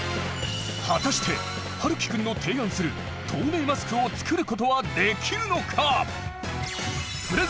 はたしてはるきくんの提案する透明マスクを作ることはできるのか！？